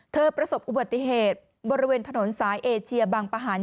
ประสบอุบัติเหตุบริเวณถนนสายเอเชียบางประหัน